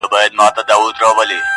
ستونی ولي په نارو څیرې ناحقه!